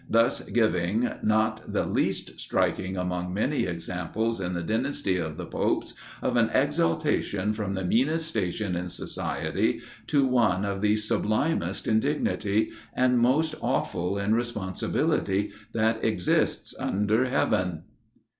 thus giving not the least striking among many examples in the dynasty of the popes, of an exaltation from the meanest station in society to one the sublimest in dignity, and most awful in responsibility that exists under heaven.